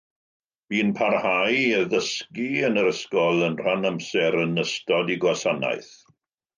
Bu'n parhau i addysgu yn yr ysgol yn rhan-amser yn ystod ei gwasanaeth.